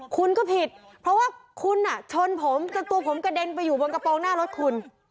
คุณก็ผิดเพราะว่าคุณชนผมจนตัวผมกระเด็นไปอยู่บนกระโปรงหน้ารถคุณ